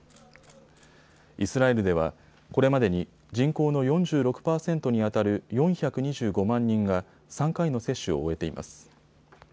イスラエルではこれまでに人口の４６％にあたる４２５万人が３回の接種を終えています。